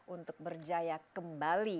untuk berjaya kembali